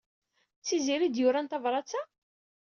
D Tiziri ay d-yuran tabṛat-a?